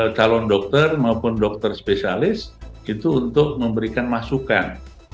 calon dokter maupun dokter spesialis itu untuk memberikan masukan